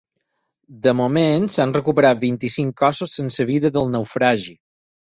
De moment, s’han recuperat vint-i-cinc cossos sense vida del naufragi.